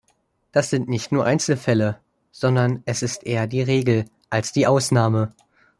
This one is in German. Das sind nicht nur Einzelfälle, sondern es ist eher die Regel als die Ausnahme.